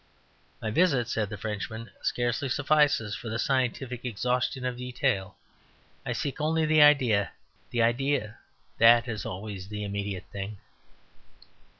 "My visit," said the Frenchman, "scarcely suffices for the scientific exhaustion of detail. I seek only the idea. The idea, that is always the immediate thing."